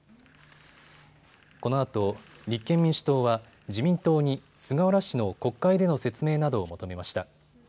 このあと立憲民主党は自民党に菅原氏の国会での説明などを求めました。